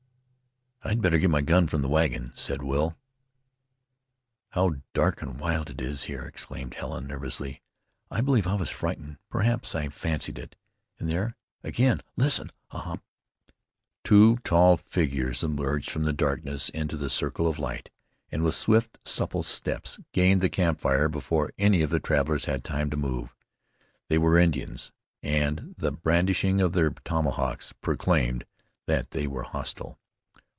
"I'd better get my gun from the wagon," said Will. "How dark and wild it is here!" exclaimed Helen nervously. "I believe I was frightened. Perhaps I fancied it there! Again listen. Ah!" Two tall figures emerged from the darkness into the circle of light, and with swift, supple steps gained the camp fire before any of the travelers had time to move. They were Indians, and the brandishing of their tomahawks proclaimed that they were hostile.